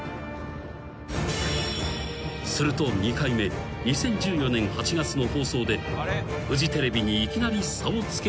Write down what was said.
［すると２回目２０１４年８月の放送でフジテレビにいきなり差をつけることとなる］